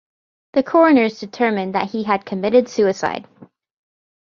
The coroners determined that he had committed suicide.